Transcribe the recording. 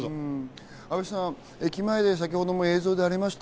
阿部さん、駅前で先ほども映像にありました